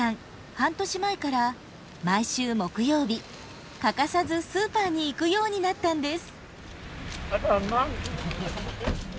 半年前から毎週木曜日欠かさずスーパーに行くようになったんです。